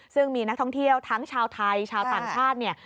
ซึ่งมีนักท่องเที่ยวทั้งชาวไทยชาวต่างชาติเนี่ย